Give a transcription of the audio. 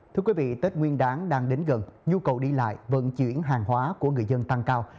thưa quý vị tết nguyên đáng đang đến gần nhu cầu đi lại vận chuyển hàng hóa của người dân tăng cao